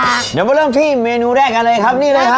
เดี๋ยวมาเริ่มที่เมนูแรกอะไรครับนี่เลยครับ